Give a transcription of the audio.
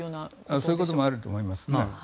そういうこともあると思いますね。